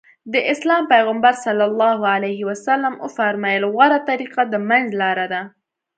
د اسلام پيغمبر ص وفرمايل غوره طريقه د منځ لاره ده.